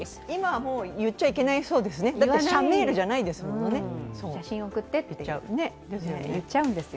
今は、もう言っちゃいけないそうですね、だって、写メールじゃないですもんね。